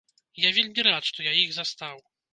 Я вельмі рад, што я іх застаў.